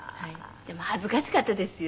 でも恥ずかしかったですよ。